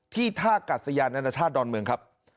ท่ากัดสยานอนาชาติดอนเมืองครับ